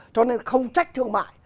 cho nên không trách thương mại